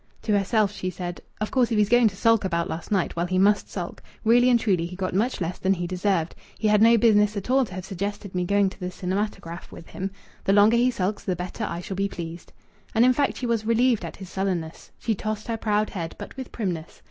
To herself she said "Of course if he's going to sulk about last night well, he must sulk. Really and truly he got much less than he deserved. He had no business at all to have suggested me going to the cinematograph with him. The longer he sulks the better I shall be pleased." And in fact she was relieved at his sullenness. She tossed her proud head, but with primness.